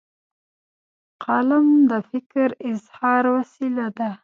قلم د فکر اظهار وسیله ده.